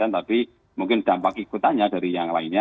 tapi mungkin dampak ikutannya dari yang lainnya